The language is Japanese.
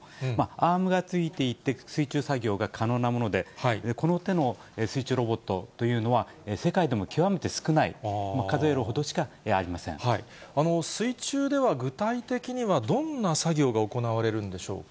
アームが付いていて、水中作業が可能なもので、この手の水中ロボットというのは、世界でも極めて少ない、水中では、具体的にはどんな作業が行われるんでしょうか。